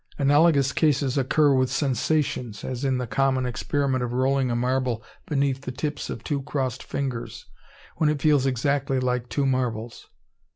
Analogous cases occur with sensations, as in the common experiment of rolling a marble beneath the tips of two crossed fingers, when it feels exactly like two marbles.